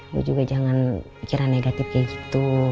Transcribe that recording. lu juga jangan pikiran negatif kayak gitu